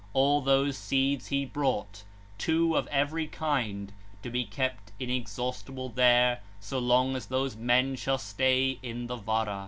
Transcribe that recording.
All those seeds he brought, two of every kind, to be kept inexhaustible there, so long as those men shall stay in the Vara.